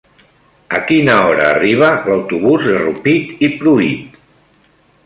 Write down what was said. A quina hora arriba l'autobús de Rupit i Pruit?